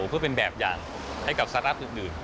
เพื่อเป็นแบบอย่างให้กับซาร่าอื่น